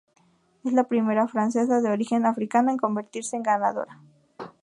Es la primera francesa de origen africano en convertirse en ganadora.